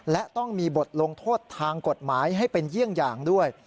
และต้องมีบทลงโทษทางกฎหมายให้เป็นเยี่ยงอย่างด้วย